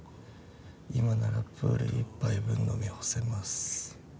今ならプール１杯分飲み干せます